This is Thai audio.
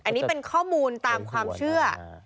อันนี้เป็นข้อมูลตามความเชื่อ